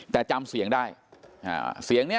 แต่จำเสียงได้